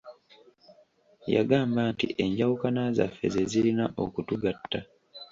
Yagamba nti enjawukana zaffe ze zirina okutugatta.